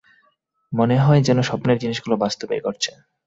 মনে হয় যেন স্বপ্নের জিনিসগুলো বাস্তবেই ঘটছে।